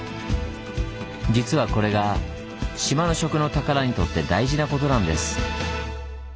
実はこれが島の「食の宝」にとって大事なことなんです。